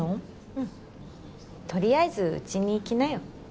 うんとりあえずうちに来なよ